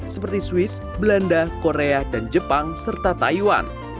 seperti swiss belanda korea dan jepang serta taiwan